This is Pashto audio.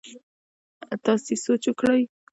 تاسي سوچ وکړئ!